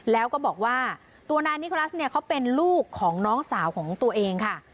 แล้วก็บอกว่าตัวนายนิกรัสเนี่ยเขาเป็นลูกของน้องสาวของตัวเองค่ะ